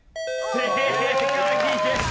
正解です！